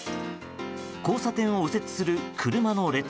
交差点を右折する車の列。